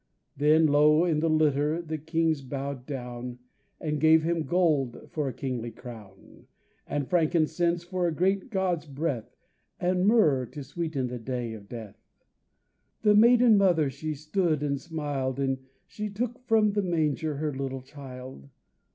Then low in the litter the kings bowed down, They gave Him gold for a kingly crown, And frankincense for a great God's breath and Myrrh to sweeten the day of death. The Maiden Mother she stood and smiled And she took from the manger her little child.